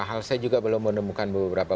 hal saya juga belum menemukan beberapa